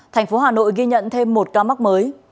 tp hcm ghi nhận thêm một ca mắc mới